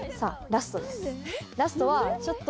ラストは。